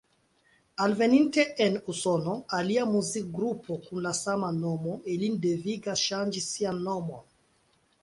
Alveninte en Usono, alia muzikgrupo kun la sama nomo ilin devigas ŝanĝi sian nomon.